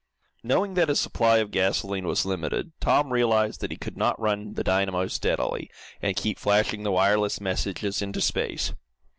Knowing that his supply of gasolene was limited, Tom realized that he could not run the dynamo steadily, and keep flashing the wireless messages into space.